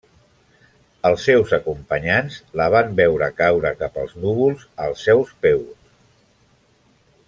Els seus acompanyants la van veure caure cap als núvols als seus peus.